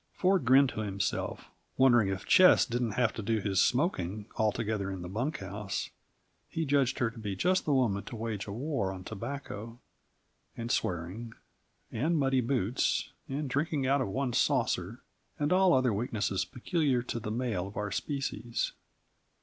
Ford grinned to himself, wondering if Ches didn't have to do his smoking altogether in the bunk house; he judged her to be just the woman to wage a war on tobacco, and swearing, and muddy boots, and drinking out of one's saucer, and all other weaknesses peculiar to the male of our species.